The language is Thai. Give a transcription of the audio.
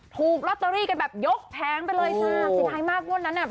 ถูกลอตเตอรี่กันแบบยกแพงไปเลยค่ะสินท้ายมากว่านั้นน่ะจริง